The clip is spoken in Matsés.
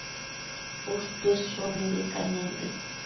Ushtuidshun mibi cainembi